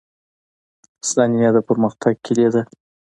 • ثانیه د پرمختګ کلید ده.